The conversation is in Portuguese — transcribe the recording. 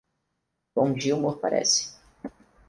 Bom dia humor parece.